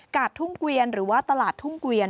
ทุ่งเกวียนหรือว่าตลาดทุ่งเกวียน